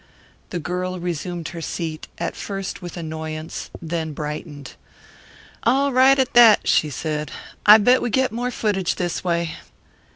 The girl resumed her seat, at first with annoyance, then brightened. "All right at that," she said. "I bet we get more footage this way."